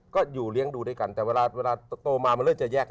ก็อยู่เลี้ยงดูด้วยกันแต่เวลาโตมามันเริ่มจะแยก